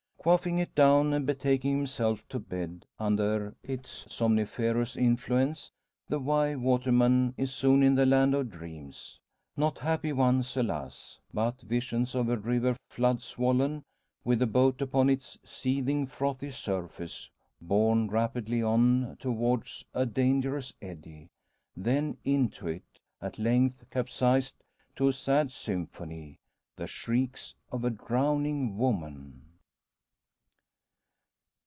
Quaffing it down, and betaking himself to bed, under its somniferous influence, the Wye waterman is soon in the land of dreams. Not happy ones, alas! but visions of a river flood swollen, with a boat upon its seething frothy surface, borne rapidly on towards a dangerous eddy then into it at length capsized to a sad symphony the shrieks of a drowning woman!